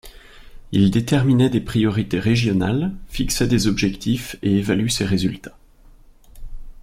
Il déterminait des priorités régionales, fixait des objectifs et évalue ses résultats.